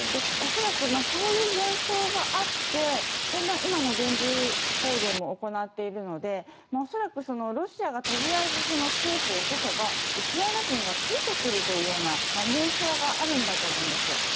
恐らくそういう幻想があって今の軍事行動も行っているので恐らくロシアがとりあえずキエフを落とせばウクライナ人がついてくるという妄想があるんだと思うんですよ。